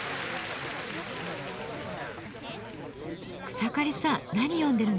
草刈さん何読んでるんですか？